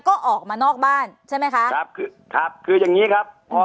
ก็ออกมานอกบ้านใช่ไหมคะครับคือครับคืออย่างงี้ครับอ๋อ